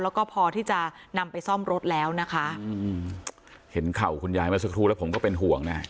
แล้วก็พอที่จะนำไปซ่อมรถแล้วนะคะอืมเห็นเข่าคุณยายเมื่อสักครู่แล้วผมก็เป็นห่วงนะ